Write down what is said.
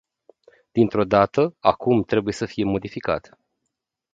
Dintr-o dată, acum trebuie să fie modificat.